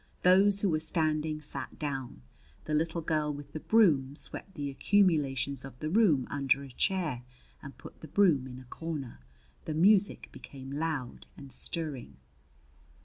Those who were standing sat down. The little girl with the broom swept the accumulations of the room under a chair and put the broom in a corner. The music became loud and stirring.